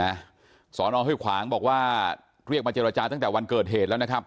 สอนอห้วยขวางบอกว่าเรียกมาเจรจาตั้งแต่วันเกิดเหตุแล้วนะครับ